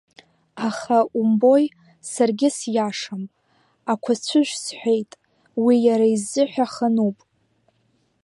Аха, умбои, саргьы сиашам, Ақәацәыжә сҳәеит, уи иара изыҳәа хануп.